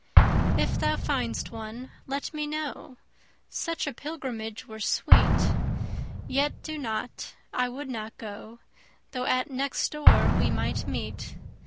If thou find'st one, let me know; Such a pilgrimage were sweet. 20 Yet do not; I would not go, Though at next door we might meet.